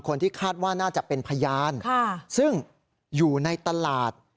คนที่คาดว่าน่าจะเป็นพยานซึ่งอยู่ในตลาด